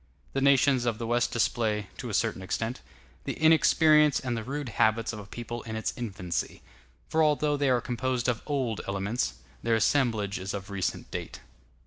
The nations of the West display, to a certain extent, the inexperience and the rude habits of a people in its infancy; for although they are composed of old elements, their assemblage is of recent date.